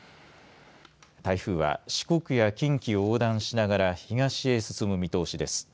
台風は四国や近畿を横断しながら東へ進む見通しです。